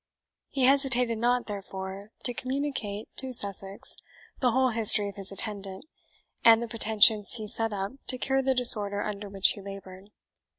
He hesitated not, therefore, to communicate to Sussex the whole history of his attendant, and the pretensions he set up to cure the disorder under which he laboured.